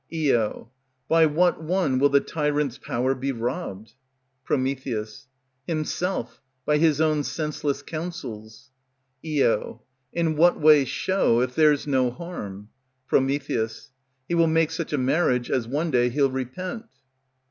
Io. By what one will the tyrant's power be robbed? Pr. Himself, by his own senseless counsels. Io. In what way show, if there's no harm. Pr. He will make such a marriage as one day he'll repent.